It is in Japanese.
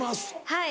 はい。